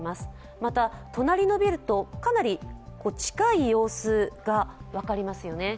また、隣のビルとかなり近い様子が分かりますよね。